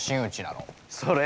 それ。